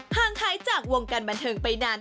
งท้ายจากวงการบันเทิงไปนาน